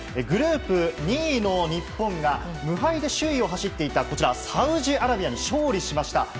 グループ２位の日本が無敗で首位を走っていたサウジアラビアに勝利しました。